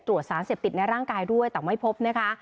ตรวจสารเสพติดในร่างกายด้วยแต่ไม่พบนะคะ